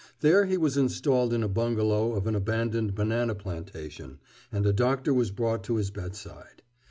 There he was installed in a bungalow of an abandoned banana plantation and a doctor was brought to his bedside.